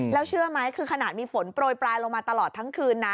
แล้วเชื่อไหมคือขนาดมีฝนโปรยปลายลงมาตลอดทั้งคืนนะ